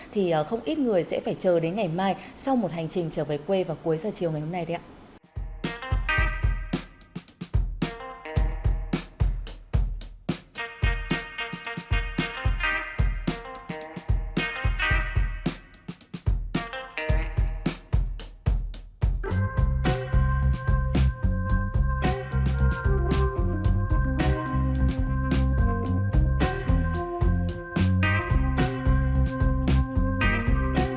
thì không ít người sẽ phải chờ đến ngày mai sau một hành trình trở về quê vào cuối giờ chiều ngày hôm nay đấy ạ